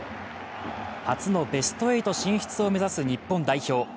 初のベスト８進出を目指す日本代表